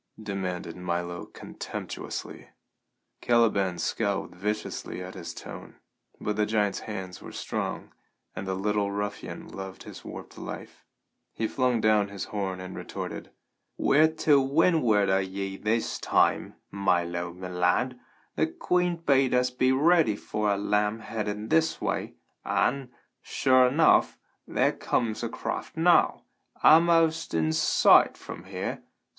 demanded Milo contemptuously. Caliban scowled viciously at his tone, but the giant's hands were strong, and the little ruffian loved his warped life. He flung down his horn and retorted: "We're to windward o' ye this time, Milo me lad. Th' queen bade us be ready for a lamb headed this way, an', sure enough, there comes a craft now, a'most in sight from here.